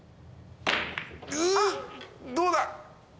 どうだ？